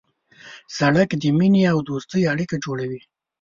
سړک د مینې او دوستۍ اړیکه جوړوي.